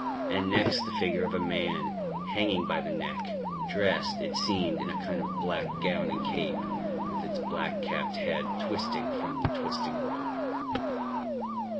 And next the figure of a man, hanging by the neck, dressed, it seemed, in a kind of black gown and cape, with its black capped head twisting from the twisting rope.